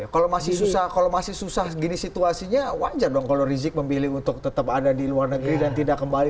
kalau masih susah kalau masih susah gini situasinya wajar dong kalau rizik memilih untuk tetap ada di luar negeri dan tidak kembali